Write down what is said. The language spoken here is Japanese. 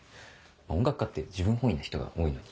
音楽家って自分本位な人が多いのに。